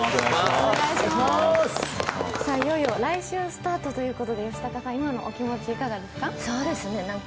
いよいよ来週スタートということで、吉高さん、今のお気持ちいかがですか？